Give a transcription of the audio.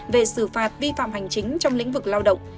về xử phạt vi phạm hành chính trong lĩnh vực lao động